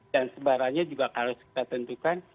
dan sebarangnya juga harus kita tentukan